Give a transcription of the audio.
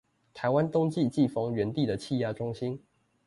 台灣冬季季風源地的氣壓中心